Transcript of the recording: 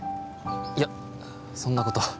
いやそんなことは